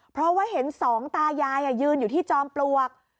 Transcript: เพราะว่าเห็นสองตายายยืนอยู่ที่จอมปลวก